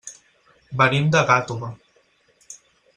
Venim de Gàtova.